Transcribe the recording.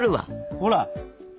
ほら。